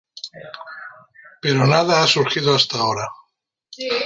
Pero nada ha surgido hasta ahora.